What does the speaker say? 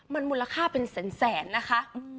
มันมูลค่าเป็นแสนนะคะ